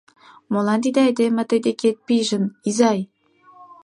— Молан тиде айдеме тый декет пижын, изай?